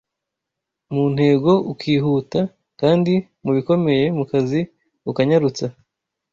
mu ntego ukihuta kandi mu bikomeye mu kazi ukanyarutsa